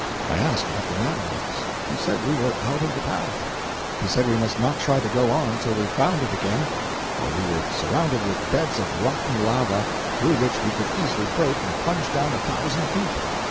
I asked what the matter was. He said we were out of the path. He said we must not try to go on till we found it again, for we were surrounded with beds of rotten lava through which we could easily break and plunge down a thousand feet.